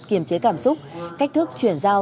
kiểm chế cảm xúc cách thức chuyển giao